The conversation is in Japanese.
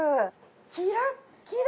キラッキラ！